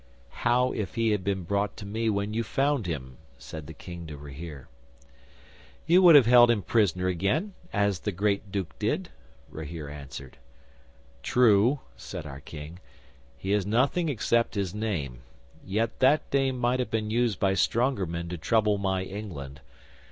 '"How if he had been brought to me when you found him?" said the King to Rahere. '"You would have held him prisoner again as the Great Duke did," Rahere answered. '"True," said our King. "He is nothing except his name. Yet that name might have been used by stronger men to trouble my England.